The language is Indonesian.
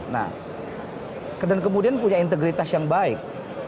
nah dan kemudian punya integritas yang baik